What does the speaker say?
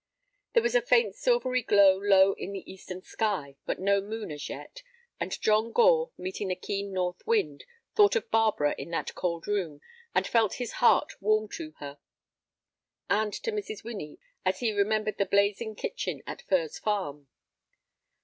There was a faint silvery glow low down in the eastern sky, but no moon as yet, and John Gore, meeting the keen north wind, thought of Barbara in that cold room, and felt his heart warm to her, and to Mrs. Winnie as he remembered the blazing kitchen at Furze Farm.